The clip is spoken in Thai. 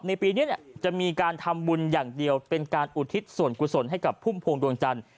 ปีนี้จะมีการทำบุญอย่างเดียวเป็นการอุทิศส่วนกุศลให้กับพุ่มพวงดวงจันทร์